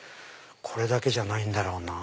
これだけじゃないんだろうなぁ。